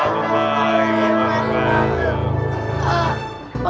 selamat datang di pondok pesantren kunanta